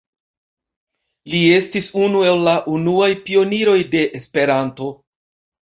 Li estis unu el la unuaj pioniroj de Esperanto.